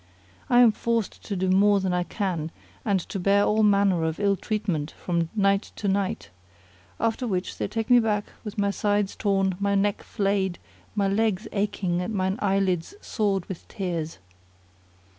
I am forced to do more than I can and to bear all manner of ill treatment from night to night; after which they take me back with my sides torn, my neck flayed, my legs aching and mine eyelids sored with tears.